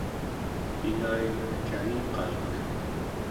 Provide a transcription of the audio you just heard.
pingayunek caniqalek